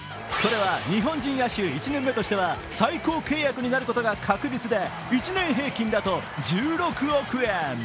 これは日本人野手１年目としては最高契約になることが確実で１年平均だと１６億円。